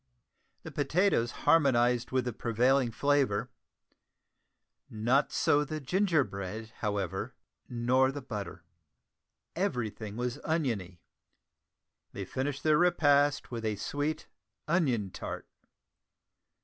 The potatoes harmonised with the prevailing flavour; not so the ginger bread, however, nor the butter. Everything was oniony; they finished their repast with a sweet onion tart!